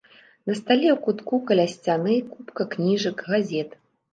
На стале ў кутку каля сцяны купка кніжак, газет.